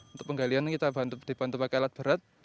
untuk penggalian kita dibantu pakai alat berat